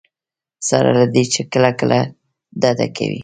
سره له دې چې کله کله ډډه کوي.